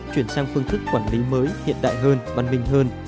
chuyển sang phương thức quản lý mới hiện đại hơn văn minh hơn